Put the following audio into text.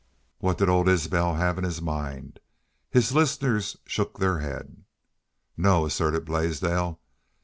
What did old Isbel have in his mind? His listeners shook their heads. "No," asserted Blaisdell.